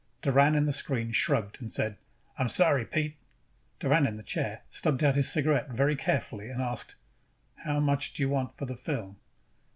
Doran in the screen shrugged and said: "I am sorry, Pete." Doran in the chair stubbed out his cigarette, very carefully, and asked, "How much do you want for that film?"